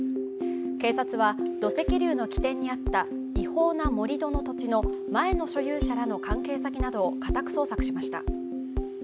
警察は、土石流の起点にあった違法な盛り土の土地の前の所有者らの関係先などを家宅捜索しました。